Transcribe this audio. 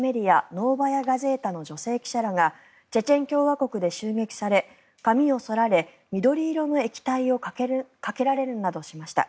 ノーバヤ・ガゼータの女性記者らがチェチェン共和国で襲撃され髪を剃られ、緑色の液体をかけられるなどしました。